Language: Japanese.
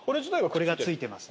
これが付いてますね。